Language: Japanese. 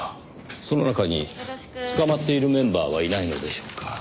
その中に捕まっているメンバーはいないのでしょうか？